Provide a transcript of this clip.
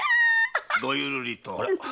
ごゆるりと。